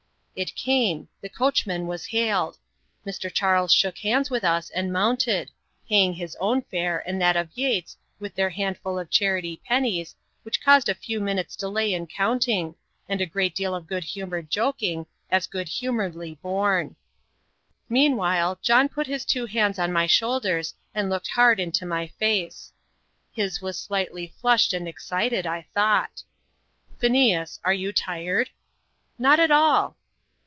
It came the coachman was hailed. Mr. Charles shook hands with us and mounted paying his own fare and that of Yates with their handful of charity pennies, which caused a few minutes' delay in counting, and a great deal of good humoured joking, as good humouredly borne. Meanwhile, John put his two hands on my shoulders, and looked hard into my face his was slightly flushed and excited, I thought. "Phineas, are you tired?" "Not at all."